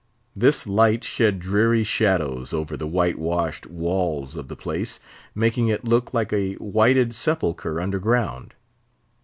This light shed dreary shadows over the white washed walls of the place, making it look look a whited sepulchre underground.